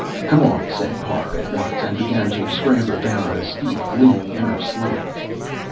"Come on," said Parr at once, and began to scramble down the steep, gloomy inner slope.